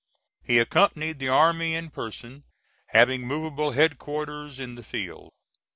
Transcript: He accompanied the army in person, having movable headquarters in the field.